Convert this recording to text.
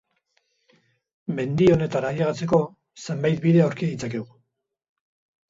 Mendi honetara ailegatzeko, zenbait bide aurki ditzakegu.